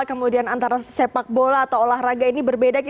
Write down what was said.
kemudian antara sepak bola atau olahraga ini berbeda